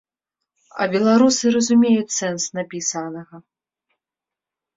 А беларусы разумеюць сэнс напісанага.